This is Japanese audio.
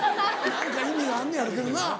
何か意味があんのやろうけどな。